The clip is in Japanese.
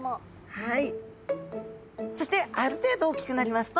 はい。